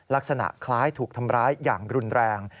ลักษณะคล้ายถูกทำร้ายอย่างรุนแรง